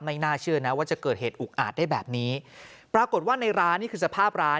น่าเชื่อนะว่าจะเกิดเหตุอุกอาจได้แบบนี้ปรากฏว่าในร้านนี่คือสภาพร้าน